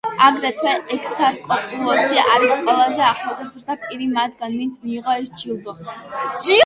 აგრეთვე ექსარკოპულოსი არის ყველაზე ახალგაზრდა პირი მათგან, ვინც მიიღო ეს ჯილდო.